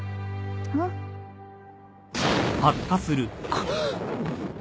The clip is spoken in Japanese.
あっ！